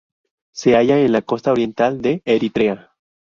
Se halla en la costa oriental de Eritrea.